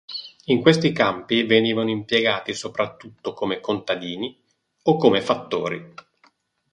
In questi campi venivano impiegati soprattutto come contadini o come fattori.